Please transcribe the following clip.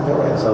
thế bản số